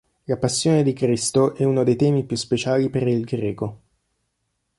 La passione di Cristo è uno dei temi più speciali per El Greco.